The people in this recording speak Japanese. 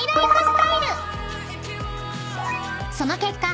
［その結果］